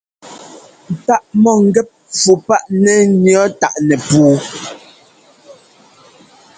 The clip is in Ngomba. Táʼ mɔ̂ngɛ́p fû páʼ nɛ́ ŋʉ̈ táʼ nɛpuu.